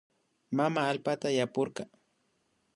Mama allpata yapurka